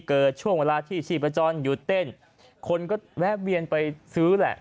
เกิดช่วงเวลาที่ชีพจรหยุดเต้นคนก็แวะเวียนไปซื้อแหละ